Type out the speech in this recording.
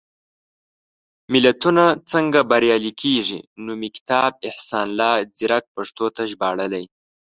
ملتونه څنګه بریالي کېږي؟ نومي کتاب، احسان الله ځيرک پښتو ته ژباړلی.